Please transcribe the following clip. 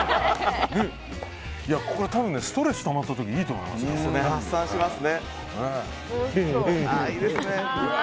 これ多分ストレスたまった時いいと思います。